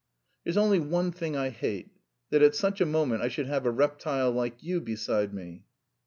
"There's only one thing I hate, that at such a moment I should have a reptile like you beside me."